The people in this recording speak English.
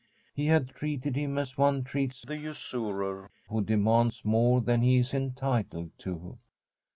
He had treated him as one treats a usurer who demands more than he is entitled to.